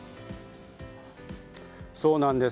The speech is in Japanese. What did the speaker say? そうなんです。